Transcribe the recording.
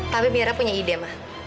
tapi mira punya ide ma